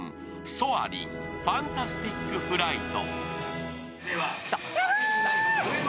ソアリン：ファンタスティック・フライト。